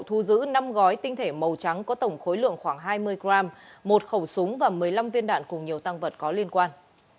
thu giữ năm gói tinh thể màu trắng có tổng khối lượng khoảng hai mươi g một khẩu súng và một mươi năm viên đạn cùng nhiều tăng vật có liên quan